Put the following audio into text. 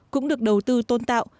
cũng được đầu tư tôn tạo